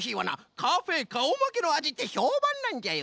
カフェかおまけのあじってひょうばんなんじゃよ。